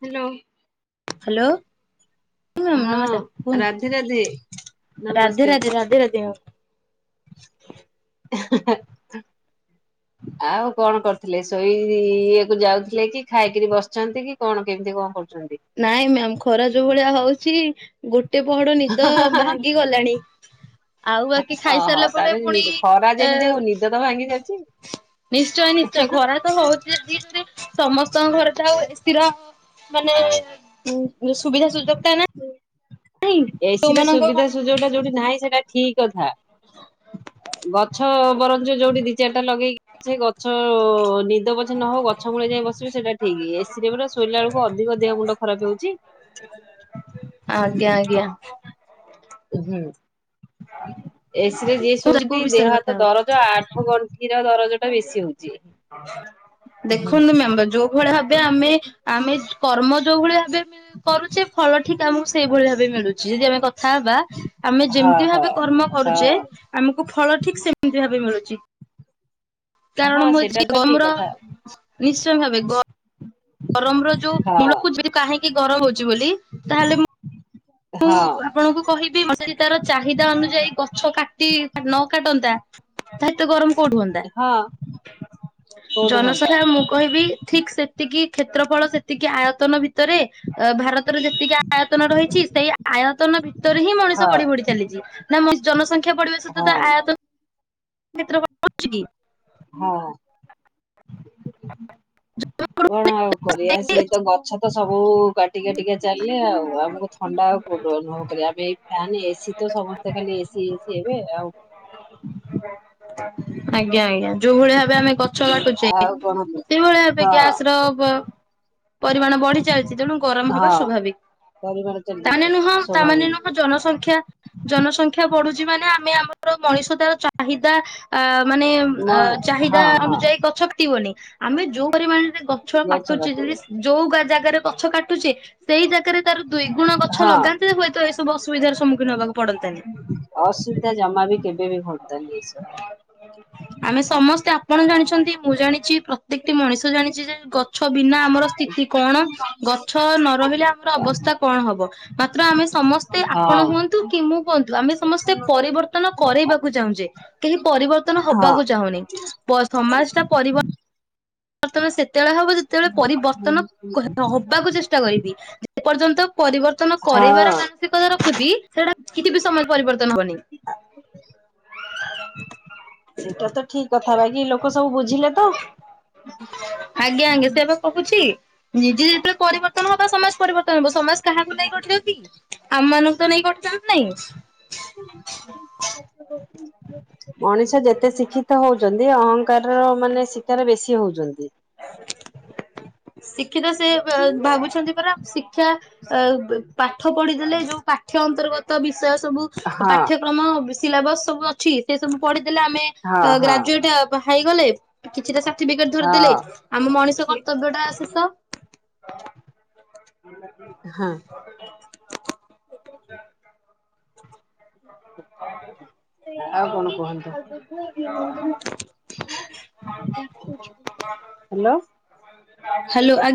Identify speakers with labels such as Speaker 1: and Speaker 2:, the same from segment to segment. Speaker 1: Hello.
Speaker 2: Hello. ନମସ୍କାର
Speaker 1: ହଁ ରାଧେ ରାଧେ
Speaker 2: କୁହନ୍ତୁ ରାଧେ
Speaker 1: ନମସ୍କାର।
Speaker 2: ରାଧେ ରାଧେ ରାଧେ। [inaudible]
Speaker 1: ଆଉ କଣ କରୁଥିଲେ ଶୋଇ ଇଏକୁ ଯାଉଥିଲେ କି ଖାଇକିରି ବସିଛନ୍ତି କି କଣ କେମିତି କଣ କରୁଛନ୍ତି।
Speaker 2: ନାଇଁ ମ୍ୟାାମ ଖରା ଯୋଉ ଭଳିଆ ହଉଛି ଗୋଟେ ପହଡ ନିଦ ଭାଙ୍ଗିଗଲାଣି। ଆଉ ବାକି
Speaker 1: ଓହୋ
Speaker 2: ଖାଇସାରିଲା ପରେ ପୁଣି
Speaker 1: ତାହେଲେ ଖରା
Speaker 2: ଏ
Speaker 1: ଯେମିତି ଆଉ ନିଦ ତ ଭାଙ୍ଗି ଯାଉଛି
Speaker 2: ନିଶ୍ଚୟ ନିଶ୍ଚୟ ଖରା ତ ହଉଛି ଦିରେ ସମସ୍ତଙ୍କ ଘରେ ତ ଆଉ ସ୍ଥିର ମାନେ ହୁଁ। ସୁବିଧା ସୁଜଗ ଟା ନା
Speaker 1: ଏସି ରେ ସୁବିଧା ସୁଯୋଗ ଟା ଯୋଉଠି ନାହିଁ ସେଟା ଠିକ କଥା ଗଛ ବରଞ୍ଚ ଯୋଉଠି ଦି ଚାରିଟା ଲଗେଇକିଛ ଗଛ ନିଦ ପଛେ ନହଉ ଗଛ ମୂଳେ ଯାଇ ବସିବେ ସେଇଟା ଠିକ। ଏସିରେ ବ ଶୋଇଲା ବେଳକୁ ଅଧିକ ଦେହ ମୁଣ୍ଡ ଖରାପ ହଉଛି।
Speaker 2: ଆଜ୍ଞା ଆଜ୍ଞା।
Speaker 1: ହୁଁ। ଏ ସି ରେ ଯିଏ
Speaker 2: କୋଉ
Speaker 1: ଶୁଉନ୍ତି ଦେହ
Speaker 2: ବିଷୟରେ କଥା
Speaker 1: ହାତ
Speaker 2: ହବା?
Speaker 1: ଦରଜ ଆଣ୍ଠୁ ଗଣ୍ଠିର ଦ
Speaker 2: ଦେଖନ୍ତୁ ମ୍ୟାମ୍ ଯୋଉ ଭଳି ଭବେ ଆମେ ଆମେ କର୍ମ ଯୋଉ ଭଳିଆ ବେ ଆମେ କରୁଚେ ଫଳ ଠିକ ଆମୁକୁ ସେଇଭଳି ଭାବେ ମିଳୁଚି। ଯଦି ଆମେ କଥା ହବା ଆମେ
Speaker 1: ହଁ
Speaker 2: ଯେମତି
Speaker 1: ହଁ
Speaker 2: ଭାବେ କର୍ମ କରୁଚେ
Speaker 1: ହଁ
Speaker 2: ଆମୁକୁ ଫଳ ଠିକ ସେମିତି ଭା ମିଳୁଚି। ଚି
Speaker 1: ହଁ
Speaker 2: କାରଣ ମୁଁ
Speaker 1: ସେଇଟା
Speaker 2: ଆଜି
Speaker 1: ତ ଠିକ
Speaker 2: ଗମର
Speaker 1: କଥା
Speaker 2: ନିଶ୍ଚୟ ଭାବେ ଗ ଗରମର ଯୋଉ
Speaker 1: ହଁ
Speaker 2: ମୂଳକୁ ଯେ କାହିଁକି ଗରମ ହଉଚି ବୋଲି ତାହେଲେ ମୁଁ ମୁଁ
Speaker 1: ହଁ
Speaker 2: ଆପଣଙ୍କୁ କହିବି ମଶାରି ତାର ଚାହିଦା ଅନୁଯାୟୀ ଗଛ କା ତି ନ କାଟନ୍ତା ତା ହେତ ଗରମ କୋଉଠୁ ହୁଅନ୍ତା?
Speaker 1: ହଁ କୋଉଠୁ ହୁଅନ୍ତା
Speaker 2: ଜନସଂଖ୍ୟା ମୁଁ କହିବି ଠିକ ସେତିକି କ୍ଷେତ୍ରଫଳ ସେତିକି ଆୟତନ ଭିତ ତରେ ଅ ଭାରତର ଯେତିକି ଆୟତନ ରହିଚି ସେଇ ଆୟତନ ଭିତରେ ହିଁ
Speaker 1: ହଁ
Speaker 2: ମଣିଷ ବଢ଼ି ବଢ଼ି ଚାଲିଚି ନାଁ ମି ଜନସଂ ଖ୍ୟା ବଢ଼ିବା ସହିତ
Speaker 1: ହଁ
Speaker 2: ତା ଆୟତ କ୍ଷେତ୍ର ଉ ଚି କି?
Speaker 1: ହଁ
Speaker 2: [inaudible]
Speaker 1: କଣ ଆଉ କରିବା ସିଏ ତ ଗଛ ତ ସବୁ କା ଟିକେ ଟିକେ ଚାଲିଲେ ଆଉ ଆମୁକୁ ଥଣ୍ଡା ଆଉ କୋଉତୁରୁ ଅନୁଭବ କରିବା ଆମେ ଏଇ ଫ୍ୟାନ୍ ଏ ଆଉ କଣ।
Speaker 2: ଆଜ୍ଞା ଆଜ୍ଞା ଯୋଉଭଳି ଭାବେ ଆମେ ଗଛ କାଟୁଚେ
Speaker 1: ଆଉ କଣ କୁହ?
Speaker 2: ସେଇଭଳିଆ ଏବେ
Speaker 1: ହଁ
Speaker 2: ଗ୍ୟାସ ର ବ ପରିମାଣ ବୁଢି ଚାଲିଚି ତେଣୁ ଗରମ ହବା
Speaker 1: ହଁ
Speaker 2: ସ୍ୱାଭାବିକ।
Speaker 1: ପରିବାର
Speaker 2: ତାନେ
Speaker 1: ଚାଲିଛି
Speaker 2: ନୁହଁ ତା ମାନେ
Speaker 1: ସ୍ୱାଭାବିକ
Speaker 2: ନୁହଁ ଜନସଂଖ୍ୟା ଜନସଂଖ୍ୟା ବଢ଼ୁଚି ମାନେ ଆମେ ଆମର ମଣିଷ ତାର ଚାହିଦା ଆ ମାନେ ଅ
Speaker 1: ମ-
Speaker 2: ଚାହିଦା
Speaker 1: ହଁ ହଁ
Speaker 2: ଅନୁଯାୟୀ ଗଛ କାଟିବନି ଆମେ ଯୋଉ ପରିମାଣରେ ଗଛ କାଟୁଚେ ଯଦି ସ୍ ଯୋଉ ଗା ଜାଗାରେ ଗଛ କାଟୁଚେ ସେଇ ଜା କାଳେ ତାର ଦୁଇ ଗୁଣ ଗଛ
Speaker 1: ହଁ
Speaker 2: ଲଗାନ୍ତେ ହୁଏତ ଏଇ ସବୁ ଅସୁବିଧାର ସମ୍ମୁ
Speaker 1: ଅସୁବିଧା ଜମା ବି କେବେ ବି ହୁଅନ୍ତାନି ଏସବୁ।
Speaker 2: ଆମେ ସମସ୍ତେ ଆପଣ ଜାଣିଛନ୍ତି। ମୁଁ ଜାଣିଛି ପ୍ରତ୍ୟେକ କ ମଣିଷ ଜାଣିଛି ଯେ ଗଛ ବିନା ଆମର ସ୍ଥିତି କଣ। ଗଛ ନ ରହିଲେ ଆମର ଅବସ୍ଥା କଣ ହବ। ମାତ୍ର ଆମେ ସମସ୍ତେ ଆପଣ
Speaker 1: ହଁ।
Speaker 2: ହୁଅନ୍ତୁ ତୁ କି ମୁଁ କୁହନ୍ତୁ। ଆମେ ସମସ୍ତେ ପରିବର୍ତ୍ତନ କରରେଇବାକୁ ଚାହୁଁଛେ। କେହି ପରିବର୍ତ୍ତନ
Speaker 1: ହଁ
Speaker 2: ହବାକୁ ଚାହୁଁନି। ସମାଜ ଟା ପରିବର୍ତ ବର୍ତ୍ତମାନ ସେ ଯେତେବେଳେ ହବ ଯେତେବେଳେ ପରିବର୍ତ୍ତନ କ ହବାକୁ ଚେଷ୍ଟା କରିବି। ପର୍ଯ୍ୟନ୍ତ। ପରିବର୍ତ୍ତନ
Speaker 1: ହଁ।
Speaker 2: କରାଇବାର ମାନସିକତା ରଖୁଛି। ସେଟା କିଛି ବି ସମୟ ପରିବର୍ତ୍ତନ ହବନି।
Speaker 1: ସେଇଟା ତ ଠିକ କଥା ବାକି ଲୋକ ସବୁ ବୁଝିଲେ ତ
Speaker 2: ଆଜ୍ଞା ଆଜ୍ଞା ସେ ଏବେ କହୁଛି। ନିଜେଯେବେ ପରିବର୍ତ୍ତନ ହବ। ସମାଜ ପରିବର୍ତ୍ତନ ହବ। ସମାଜ କାହାକୁ ନାଇ କରି କି ଆମ ମାନଙ୍କୁ। ତ ନେଇ କ ତାନାଇଁ [unintelligible]
Speaker 1: ମଣିଷ ଆ ଯେତେ ଶିକ୍ଷିତ ହଉଛନ୍ତି। ଅହଂଙ୍କାର ର ମାନେ ଶିକାର ବେଶୀ ହଉଛି। ଜଲ୍ଦୀ।
Speaker 2: [unintelligible] ଶିକ୍ଷିତ ସେ ପେ ଭାବୁଛନ୍ତି ପରା ଶିକ୍ଷାଅ ପାଠ ପଢିଦେଲେ ଯୋଉ ପାଠ୍ୟ ଅନ୍ତର୍ଗତ ବି ବିଷୟ ସବୁ
Speaker 1: ହଁ
Speaker 2: ପାଠ୍ୟକ୍ରମ ବି ସିଲାବସ୍ ସବୁ ଅଛି ସେ ସବୁ ପଢି ହେଲେ ଆମେ
Speaker 1: ହଁ ହଁ
Speaker 2: ଗ୍ରାଜୁଏଟ୍ ଆ ବା ହେଇଗଲେ କିଛିଟା ପିକଟ୍ ଧରିଦେଲେ
Speaker 1: ହଁ
Speaker 2: ଆମ ମଣିଷ କର୍ତ୍ତବ୍ୟ ସ [unintelligible]
Speaker 1: ହଁ।
Speaker 2: [unintelligible]
Speaker 1: ଆଉ କଣ କୁହନ୍ତୁ। [unintelligible] ହ୍ୟାଲୋ।
Speaker 2: ହ୍ୟାଲୋ ଆ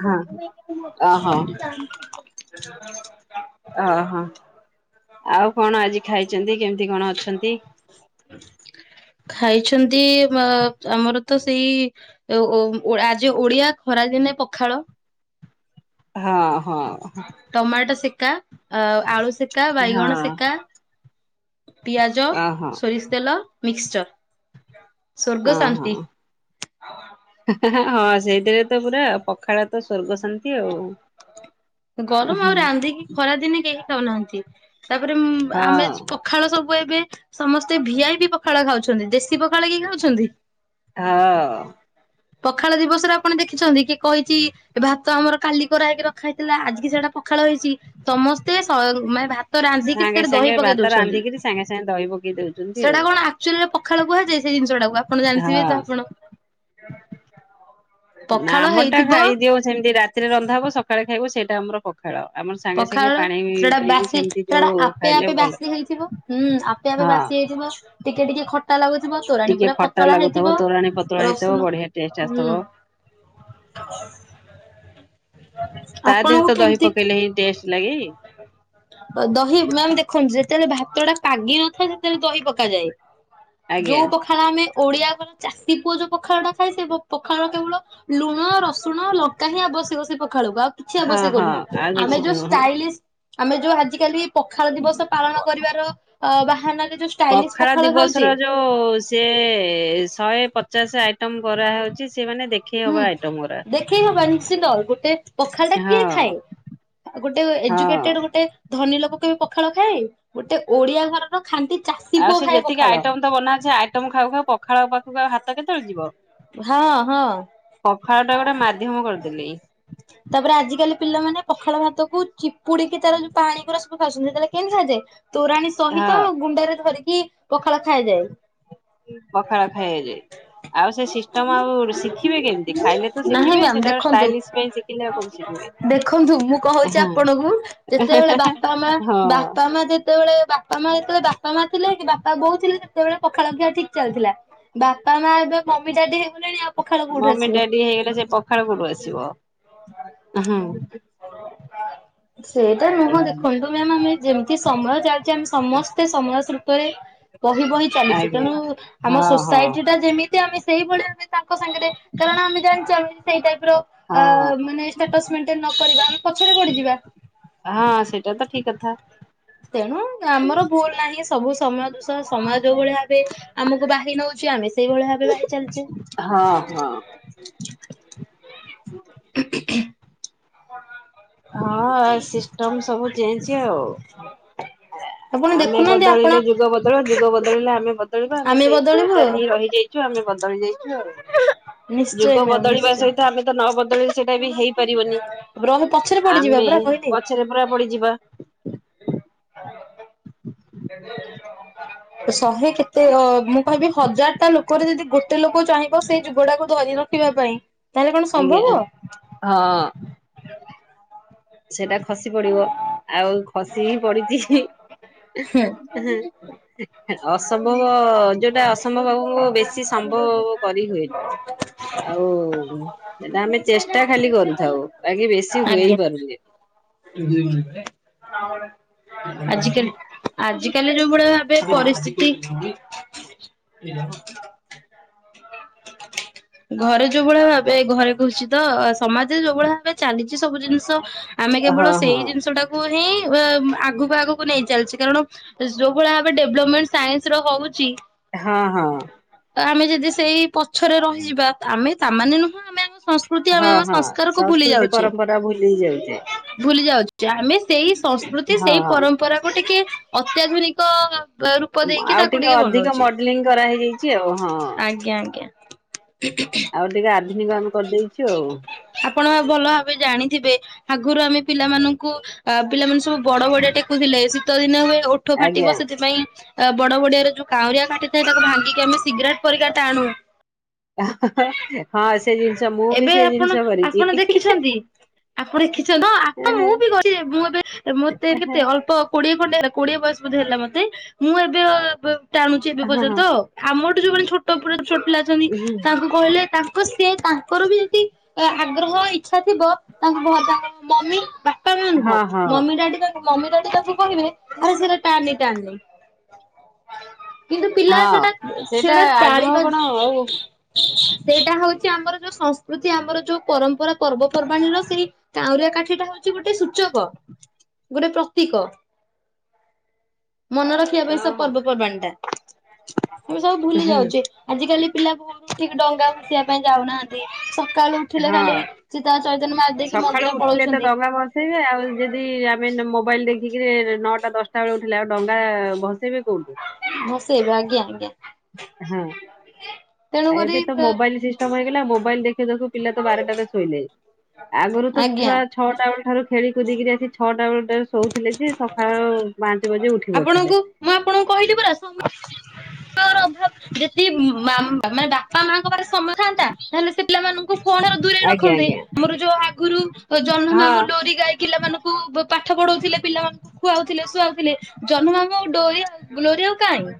Speaker 1: [unintelligible] ହ ଓ ହ ଓ ହ [unintelligible] ଆଉ କଣ ଆଜି ଖାଇଛନ୍ତି। କେମତି କଣ ଣ ଅଛନ୍ତି।
Speaker 2: ଖାଇଛନ୍ତି ଅ ଆମର ତ ସେଇ ଓଓ ଆଜି ଓଡିଆ ଖରାଦିନେ ପଖାଳ।
Speaker 1: ହଁ ହଁ।
Speaker 2: କା ଅ ଆଳୁ ସେିକା
Speaker 1: ହଁ
Speaker 2: ବାଇଗଣ ସେକା। ପିଆଜ।
Speaker 1: ଓହୋ
Speaker 2: ସୋରିଷ୍ ତେଲ। ମିକ୍ସ୍ଚର୍। ସୋରଗ୍
Speaker 1: ଓହୋ।
Speaker 2: ଶାନ୍ତି।
Speaker 1: ହଁ ସେଇଥିରେ ତ ପୁରା ପଖାଳ ତ ସୋର୍ଗ ଶାନ୍ତି ଆଉ।
Speaker 2: ଗରମ
Speaker 1: ହୁଁ
Speaker 2: ଆଉ ରାନ୍ଧିକି ଖରା ଦିନେ କେହି। ଖାଉନାହାନ୍ତି। ତାପରେ ମୁ ଆମେ
Speaker 1: ହଁ
Speaker 2: ପଖାଳ ସବୁ। ତ ଏବେ ସମସ୍ତେ ଭିଆଇପି ପଖାଳ ଖାଉଛନ୍ତି। ଦେଶୀ ପଖା
Speaker 1: ହଁଅଁ।
Speaker 2: ପଖାଳ ଦିବସରେ ଆପଣ ଦେଖିଛନ୍ତି କି କହିଛି ଭାତ ଆମର କାଲି କରା ହେକି ରଖା ହେଇଛି। ଥିଲା ଆଜିିକି ସେଟା ପଖାଳ ହେଇଛି। ସମସ୍ତେ ସ ମ ଭାତ ରାନ୍ଧିକି
Speaker 1: ସାଙ୍ଗେ
Speaker 2: ସେଥିରେ ଦହି
Speaker 1: ସାଙ୍ଗେ
Speaker 2: ପକେଇ
Speaker 1: ଭାତ
Speaker 2: ଦଉଛନ୍ତି।
Speaker 1: ରାନ୍ଧିକିରି। ସାଙ୍ଗେ ସାଙ୍ଗେ ଦହି ପକେଇ ଦଉଛନ୍ତି ଆଉ।
Speaker 2: ଖଳକୁୁହା ଯେ ସେ ଜିନିଷ ଟାକୁ ଆପଣ ଜାଣିଥିବେ।
Speaker 1: ହଁ।
Speaker 2: ତ ଆପଣ ପଖାଳ
Speaker 1: ଆମ ଟା
Speaker 2: ହେଇଥିବ
Speaker 1: ଖାଇଦିଅଉ ସେମିତି। ରାତିରେ ରନ୍ଧା ହବ ସକାଳେ ହେଉ ସେଟା ଆମର ପ
Speaker 2: ପଖାଳ ସେଟା ବାସି
Speaker 1: ସେମିତି
Speaker 2: ସେଟା
Speaker 1: ଯୋଉ
Speaker 2: ଆପେ
Speaker 1: ଖାଇଲେ
Speaker 2: ଆପେ
Speaker 1: ଭଲ
Speaker 2: ବାସି
Speaker 1: ନୁହଁ।
Speaker 2: ହେଇଯିବ। ହୁଁ ଆପେ ଆପେ
Speaker 1: ହଁ।
Speaker 2: ବାସି ହେଇଯିବ। ଟିକେ ଟିକେ ଖ
Speaker 1: ଟିକେ ଖଟା ଲାଗୁଥିବ ତୋରାଣୀ ପତଳା
Speaker 2: ରସୁଣ
Speaker 1: ହେଇଥିବ ବଢିଆ ଟେଷ୍ଟ
Speaker 2: ହୁଁ
Speaker 1: ଆସଥିବ।
Speaker 2: ଆପଣଙ୍କୁ କେମିତି
Speaker 1: ହିଁ ଟେଷ୍ଟ ଲାଗେ।
Speaker 2: ମାମ୍ ଦେଖନ୍ତୁ ଯେତେବେଳେ ଭାତ ଟା ପାଗି ନଥାଏ। ସେତେବେଳେ ଦହି ପକାଯାଏ।
Speaker 1: ଆଜ୍ଞା
Speaker 2: ଯଉ ପଖାଳ ଆମେ। ଓଡିଆ ଘର ଚାଷୀ ପୁଅ ଯୋଉ ପଖାଳ ଟା ଖାଏ। ସେ ପଖାଳ କେବଳ ଲୁଣ ରସୁଣ ଲଙ୍କା ହିଁ ଆବଶ୍ୟକ। ସେପ ଖାଳକୁ ଆଉ କିଛି
Speaker 1: ହଁ
Speaker 2: ଆବଶ୍ୟକ
Speaker 1: ହଁ
Speaker 2: ନୁହଁ।
Speaker 1: ଆଉ
Speaker 2: ଆମେ
Speaker 1: କିଛି
Speaker 2: ଯୋଉ ଷ୍ଟାଇଲିଶ ଆମେ ଯୋଉ ଆଜିକାଲି। ପଖାଳ ଦିବସ ପାଳନ
Speaker 1: ପ
Speaker 2: କରିବାର ଅ ବାହାନାରେ ଯୋଉ ଷ୍ଟାଇଲିଶ
Speaker 1: ପଖାଳ ଦିବସ
Speaker 2: ଖାଉଛେ
Speaker 1: ର ଯୋଉ ସିଏ ଶହେ ପଚାଶ ଆ ଟମ୍ କରା ହେଉଛି। ସେମାନେ ଦେଖେଇ ହବା ଆଇଟମ ରା
Speaker 2: ସେ ଜଲ୍ଦୀ ପଖାଳ ଟା କିଏ ଖାଏ ଗୋଟେ ଏଜୁକେଟେଡ
Speaker 1: ହଁ।
Speaker 2: ଗୋଟେ ଧନୀ ଲୋକ କେ ପଖାଳ ଖାଏ ଗୋଟେ ଓଡିଆ ଘରର ଖାଣ୍ଟି ଚାଷୀ
Speaker 1: ଆଉ
Speaker 2: ପୁଅ
Speaker 1: ସେ
Speaker 2: ଖାଏ
Speaker 1: ଯେତିକି
Speaker 2: ପଖାଳ
Speaker 1: ଆଇଟମ ତ ବନାଉଛି ଆଇଟମ ଖାଉ ଖାଉ ପଖାଳଖ ହାତ କେତେବେଳେ ଯିବ।
Speaker 2: ହଁ ହଁ
Speaker 1: ପଖାଳ ଟା ଗୋଟେ ମାଧ୍ୟମ କରିଦେଲି
Speaker 2: ତାପରେ ଆଜିିକାଲି ପିଲାମାନୋନେ ପଖାଳ ଭାତକୁ ଚିପୁଡିକି ତାର ଯୋଉ ପାଣିିକର ସବୁ ଖାଉଛନ୍ତି ସେ ତାେଲେ କେମିତି ଖାଇଯାଏ ତୋରାଣୀ
Speaker 1: ହଁ
Speaker 2: ସହିତ ଗୁଣ୍ଡରେ ଧରିକି କି
Speaker 1: ପଖାଳ ଖାଇ ଯାଇଏ ଆ ଖାଇଲେ ତ
Speaker 2: ନହିଁ
Speaker 1: ଶିଖିବେ
Speaker 2: ମାମ
Speaker 1: ସେଟା
Speaker 2: ଦେଖନ୍ତୁ
Speaker 1: ଷ୍ଟାଇଲିଶ ପାଇଁ ଶିଖିଲେ ଆଉ କୋଉଠୁ ଶିଖିବେ।
Speaker 2: ଦେଖନ୍ତୁ ମୁଁ କହୁଛି ଆପଣଙ୍କୁ ଯେତେବେଳେ ବାପା ମା
Speaker 1: ହଁ
Speaker 2: ବାପା ମା ଯେତେବେଳେ ବାପା ମା ଯେତେବେଳେ ବାପା ମା ଥିଲେ କି ବାପା ବୋଉଥିଲେ ସେତେବେଳେ ପଖାଳଖିଆ ଠିକ ଚାଲିଥିଲା ବାପା ମା ଏବେ ମମି ଡାଡି ହେଇଗଲେଣି ଆଉ ପଖାଳ କୋଉଠୁ
Speaker 1: ମମି
Speaker 2: ଆସିବ।
Speaker 1: ଡାଡି ହେଇଗଲେ ସେ ପଖାଳ କୋଠୁ ଆସିବ।
Speaker 2: ସେଇଟା ନୁହଁ ଦେଖନ୍ତୁ ମ୍ୟାମ୍ ଆମେ ଯେମିତି ସମୟ ଚାଲିଛେ ଆମେ ସମସ୍ତେ ସମୟ ଉପରେ ବହି ବହି ଚାଲିଛି
Speaker 1: ଆଜ୍ଞା
Speaker 2: ତେଣୁ ଆମ
Speaker 1: ହଁ ହଁ।
Speaker 2: ସୋସାଇଟି ଟା ଯେମିତି ଆମେ ସେଇଭଳି ଆମେ ତାଙ୍କ ସାଙ୍ଗରେ କାରଣ ଆମେ ଜାଣିଛ ଆମେ ସେଇଟ
Speaker 1: ହଁ।
Speaker 2: ନ କରିବା ଆମେ
Speaker 1: ହଁ
Speaker 2: ପଛରେ
Speaker 1: ସେଇଟା ତ ଠିକ କଥା।
Speaker 2: ପଡିଯିବା। ତେଣୁ ଆମର ଭୁଲ ନାହିଁ ସବୁ ସମୟ ଦୂଷ ସମୟ ଯୋଉ ଭଳି ଭାବେ ଆମକୁ ବାହି ନଉଛିେ ଆମେ ସେଇଭଳି ଭାବେ ଭାଇ ଚାଲିଛେ।
Speaker 1: ହଁ ହଁ।
Speaker 2: [inaudible] ହଁ।
Speaker 1: ହଁ ସିଷ୍ଟମ ସବୁ ଚେଞ୍ଜ ଆଉ
Speaker 2: ଆପଣ
Speaker 1: ଆମେ
Speaker 2: ଦେଖୁନାହାନ୍ତି ଆପଣ
Speaker 1: ବଦଳିଲେ ଯୁଗ ବଦଳିବ ଯୁଗ ବ ବଦଳିଲେ ଆମେ ବଦଳିବା ଆମେ ସେଇ ଦୁଇଟାରେ ହିଁ ରହିଯାଇଛୁ ଆମେ ବଦଳିହାଇଛ
Speaker 2: ନିଶ୍ଚୟ
Speaker 1: ଯୁଗ
Speaker 2: ମ୍ୟାମ୍
Speaker 1: ବଦଳିବା ସହିତ ଆମେ ତ ନ ବଦଳି ସେଇଟା ବି ହେଇ
Speaker 2: ରହିଥାଅ
Speaker 1: ଆମେ ପଛରେ ପୁରା ପଡିଯିବା।
Speaker 2: [unintelligible] [unintelligible] ଶହେ କେତେ ଅ ମୁଁ କହିବି ହଜାରଟା ଲୋକରେ ଯଦି ଗୋଟେ ଲୋକ ଚାହିଁବ ସେଇଯୁଗୁଡାକ ଧରି ରଖିବା ପାଇଁ ତାହେଲେ କଣ
Speaker 1: ଆଜ୍ଞା
Speaker 2: ସମ୍ଭବ?
Speaker 1: ହଁ ସେଟା ଖସି ପଡିବ ଆଉ ଖସି ହିଁ ପଡିଛି
Speaker 2: ହୁଁ।
Speaker 1: ଅସମ୍ଭବ ଯୋଉଟା ଅସମ୍ଭବ ହବ ବେଶୀ ସମ୍ଭବ କରି ହୁଏନି, ଆଉ ସେଟା ଆମେ ଚେଷ୍ଟା ଖାଲି କରୁଥାଉ ବାାକି ବେଶୀ ହୁଏଇ ପାରୁନି
Speaker 2: [unintelligible] ଆଜିିକାଲି ଆଜିକାଲି ଯୋଉ ଭଳି ଭାବେ
Speaker 1: ହଁ
Speaker 2: ପରିସ୍ଥିତି ଘରେ ଯୋଉ ଭଳିଆ ଭାବେ ଘରେ କସିଛି ତ ସମାଜରେ ଯୋଉ ଭଳି ଭାବେ ଚାଲିଛି ସବୁ ଜିନିଷ ଆମେ କେବଳ
Speaker 1: ହଁ ହଁ
Speaker 2: ସେଇ ଜିନିଷ ଟାକୁ ହିଁ ଆଗକୁ ଆଗକୁ ନେଇ ଚାଲିଛି କାରଣ ଯୋଉ ଭଳି ଭାବେ ଡେଭଲପମେଣ୍ଟ ସାଇନ୍ସ ର ହଉଛି
Speaker 1: ହଁ ହଁ।
Speaker 2: ଆମେ ଯଦି ସେଇ ପଛରେ ରହିଯିବା ଆମେ ତାମାନେେ ନୁହଁ ଆମେ ଆମ ସଂସ୍କୃତି ଆମେ
Speaker 1: ହଁ
Speaker 2: ଆମ
Speaker 1: ହଁ
Speaker 2: ସଂସ୍କାରକୁ ଭୁଲି
Speaker 1: ସଂସ୍କୃତି
Speaker 2: ଯାଉଛେ।
Speaker 1: ପରମ୍ପରା ଭୁଲି ଯାଉଛେ
Speaker 2: ଭୁଲି ଯାଉଛି। ଆମେ ସେଇ ସଂସ୍କୃତି ସେଇ
Speaker 1: ହଁ
Speaker 2: ପରମ୍ପରାକୁ ଟିକେ ଅତ୍ୟାଧୁନିକ ରୂପ ଦେଇକି
Speaker 1: ଆଉ
Speaker 2: ତାକୁ
Speaker 1: ଟିକେ ଅଧିକ
Speaker 2: ବନଉଛେ।
Speaker 1: ମଡେଲିଂ କରାହେଇଯାଇଛି ଆଉ, ହଁ
Speaker 2: ଆଜ୍ଞା ଆଜ୍ଞା
Speaker 1: ଆଉ ଟିକେ ଆଧୁନିକ ଆମେ କରିଦେଇଛୁ ଆଉ।
Speaker 2: ଆପଣ ଭଲ ଭାବେ ଜାଣିଥିବେ ଆଗରୁ ଆମେ ପିଲାମାନଙ୍କୁ ଅ ପିଲାମାନେ ସବୁ ବଡ ବଡଆ ଟେକୁଥିଲେ ଶୀତଦିନେ ଓଠ
Speaker 1: ଆଜ୍ଞା
Speaker 2: ଫାଟିବ ସେଥିପାଇଁ ବଡ ବଡିଆରେ ଯୋଉ କାଉରିଆ କାଠିଥାଏ ତାକୁ ଭାଙ୍ଗିକି ଆମେ ସିଗରେଟ୍ ପରି କା ଟାଣୁ।
Speaker 1: ହଁ ସେ ଜିନିଷ ମୁଁ ବି
Speaker 2: ଏବେ
Speaker 1: ସେ
Speaker 2: ଆପଣ
Speaker 1: ଜିନିଷ କରିଛି।
Speaker 2: ଆପଣ ଦେଖିଛନ୍ତି ଆପଣ ଦେଖିଛନ୍ତି ହଁ ମୁଁ ବି କରିଛି ମୁଁ ଏବେ ମତେ କେତେ ଅଳ୍ପ କୋଡିଏ ଖଣ୍ଡେ କୋଡିଏ ବୟସ ବୋଧେ ହେଲା ମତେ, ମୁଁ ଏବେ ଟାଣୁଛି ଏବେ
Speaker 1: ହଁ
Speaker 2: ପର୍ଯ୍ୟନ୍ତ, ଆମର ମାନେ ଯେଉ ଛୋଟ ଉପରେ ଛୋଟ ପିଲା ଅଛନ୍ତି ତାଙ୍କୁ କହିଲେ ତା ସିଏ ତାଙ୍କର ବି ଯଦି ଅ ଆଗ୍ରହ ହେଇ ଇଚ୍ଛା ଥିବ ତାଙ୍କୁ [unintelligible] ମମି ବାପା ନୁହଁ
Speaker 1: ହଁ
Speaker 2: ମମି ଡାଡି ତା ମମି ଡାଡି ତାକୁ କହିବେ ଆରେ ସେଇଟା ଚାଲି କିନ୍ତୁ ପିଲା
Speaker 1: ହଁ।
Speaker 2: ସେଟା
Speaker 1: ସେଇଟା
Speaker 2: ସେଟା
Speaker 1: ଆଗ୍ରହ
Speaker 2: ତାଳିିବା
Speaker 1: କଣ ଆଉ ହଁ
Speaker 2: ସେଇଟା ହଉଛି ଆମର ଯୋଉ ସଂସ୍କୃତି ଆମର ଯୋଉ ପରମ୍ପରା ପର୍ବପର୍ବାଣିର ସେଇ କାଉରିଆ କାଠିଟା ହଉ ଛି ଗୋଟେ ସୁ ଶୁଭ ଗୋଟେ ପ୍ର ତି କ ମନେ ରଖିବା ପାଇଁ
Speaker 1: ହଁ
Speaker 2: ସବୁ ପର୍ବପର୍ବାଣୀ ଟା ଆମେ ସବୁ ଭୁଲି ଯାଉଛେ ଆଜିକାଲି ପିଲା ବହୁ ଠିକ ଡଙ୍ଗା ଭସେଇବା ପାଇଁ ଯାଉନାହାନ୍ତି। ସକାଳୁ ଉଠିଲେ ଖାଲି
Speaker 1: ହଁ।
Speaker 2: ଚିତା ଚୈତନ ମାରିଦେଇକି ମନ୍ଦିର ପଳଉଛନ୍ତି।
Speaker 1: ଥିଲେ ଆଉ ଯଦି ଆମେ ମୋବାଇଲ ଦେଖିକିରି ନଅଟା ଦଶ ସତେବେଳେ ଉଠିଲେ ଆଉ ଡଙ୍ଗା ଭସେଇବେ କୋଉଠୁ
Speaker 2: ଭସେଇବେ ଆଜ୍ଞା ଆଜ୍ଞା
Speaker 1: ହଁ ଆ
Speaker 2: ତେଣୁକରି
Speaker 1: ଏବେ ତ ମୋବାଇଲ ସିଷ୍ଟମ ହେଇଗଲା ମୋବାଇଲ ଦେଖି ଦେଖୁ ପିଲା ତ ବାରଟା ରେ ଶୋଇଲେ ଆଗରୁ ତ
Speaker 2: ଆଜ୍ଞା
Speaker 1: ଛୁଆ ଛଅଟା ବେଳ ଠାରୁ ଖେଳିକୁଦି କିରି ଆସି ଛଅଟା ବେଳେ କହୁଥିଲେ ଯେ ସକାଳ ପାଞ୍ଚ ବଜେ ଉଠି ପଡୁଥିଲେ।
Speaker 2: ଆପଣଙ୍କୁ ମୁଁ ଆପଣଙ୍କୁ କହିଲି ପରା ସ ହଁ ଭାବ ଯେଦି ଆ ମାନେ [unintelligible] ବାପା ମାଙ୍କ ପାଖରେ ସମୟ ଥାନ୍ତା ତାହେଲେ ସେ ପିଲାମାନଙ୍କୁ ଫୋନରେ ଦୂରେଇ
Speaker 1: ଆଜ୍ଞା
Speaker 2: ରଖନ୍ତେ
Speaker 1: ଆଜ୍ଞା
Speaker 2: ଆମର ଯୋଉ ଆଗରୁ ଜହ୍ନ
Speaker 1: ହଁ
Speaker 2: ମାମୁଁ ଲୋରି ଗାଈ ପିଲାମାନଙ୍କୁ ପାଠ ପଢଉଥିଲେ ପିଲାମାନଙ୍କୁ ଖୁଆଉଥିଲେ ଶୁଆଉଥିଲେ ଜହ୍ନମାମୁ ଡୋରି ଆଉ ଲୋରି ଆଉ କାହିଁ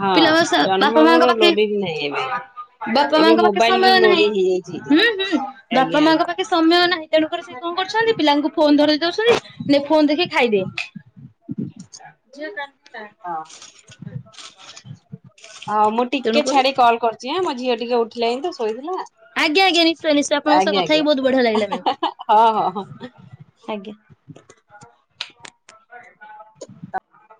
Speaker 1: ହଁ
Speaker 2: ପିଲା
Speaker 1: ଜହ୍ନ
Speaker 2: ବାପା ମାଙ୍କ
Speaker 1: ମାମୁଁର
Speaker 2: ପାଖେ
Speaker 1: ଲୋଡିଂ ନାହିଁ ଏବେ।
Speaker 2: ବାପା
Speaker 1: ଏବେ
Speaker 2: ମାଙ୍କ ପାଖେ
Speaker 1: ମୋବାଇଲ ର
Speaker 2: ସମୟ ନାହିଁ
Speaker 1: ଲୋଡିଂ ହେଇଯାଇଛି
Speaker 2: ହୁଁ ହୁଁ ବାପା
Speaker 1: ଆଜ୍ଞା
Speaker 2: ମାଙ୍କ ପାଖେ ସମୟ ନାହିଁ ତେଣୁକରି ସେ କଣ କରୁଛନ୍ତି ପିଲାଙ୍କୁ ଫୋନ ଧରେଇ ଦଉଛନ୍ତି ନେ ଫୋନ ଦେଖି ଖାଇଦେ
Speaker 1: ଯେ [unintelligible] ହଁ ହଉ ମୁଁ ଟିକେ
Speaker 2: ତେଣୁକରି
Speaker 1: ଛାଡି କଲ କରୁଛି ହାଁ ମୋ ଝିଅ ଟିକେ ଉଠିଲାଣି ତ ଶୋଇଥିଲା
Speaker 2: ଆଜ୍ଞା ଆଜ୍ଞା ନିଶ୍ଚୟ ନିଶ୍ଚୟ ଆପଣଙ୍କ ସହ
Speaker 1: ଆଜ୍ଞା
Speaker 2: କଥା ହେଇକି ବହୁତ ବଢିଆ ଲାଗିଲା ମ୍ୟାମ
Speaker 1: ଆଜ୍ଞା ହଁ ହଁ
Speaker 2: ଆଜ୍ଞା। [unintelligible]
Speaker 1: ହ